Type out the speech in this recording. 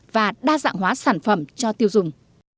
và đa dạng hóa sản phẩm cho tiêu dùng